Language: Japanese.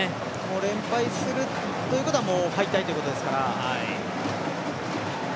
連敗するということは敗退ということですから。